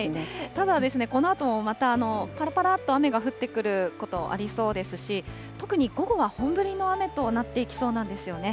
ただですね、このあともまたぱらぱらっと雨が降ってくること、ありそうですし、特に午後は本降りの雨となっていきそうなんですよね。